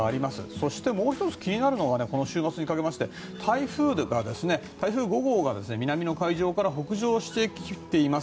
そしてもう１つ気になるのがこの週末にかけまして台風５号が南の海上から北上してきています。